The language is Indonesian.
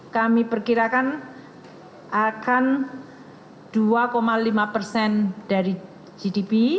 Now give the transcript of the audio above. kami perkirakan akan dua lima persen dari gdp